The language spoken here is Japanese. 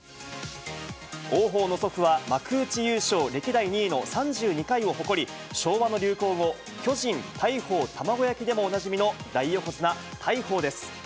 王鵬の祖父は、幕内優勝歴代２位の３２回を誇り、昭和の流行語、巨人・大鵬・卵焼きでもおなじみの大横綱・大鵬です。